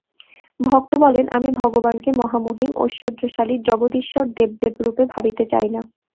ভক্ত বলেন, আমি ভগবানকে মহামহিম, ঐশ্বর্যশালী, জগদীশ্বর দেবদেবরূপে ভাবিতে চাই না।